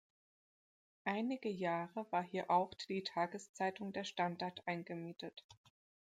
Einige Jahre war hier auch die Tageszeitung Der Standard eingemietet.